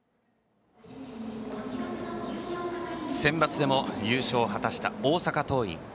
センバツでも優勝を果たした大阪桐蔭。